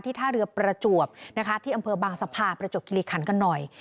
ท่าเรือประจวบนะคะที่อำเภอบางสะพานประจวบคิริขันกันหน่อย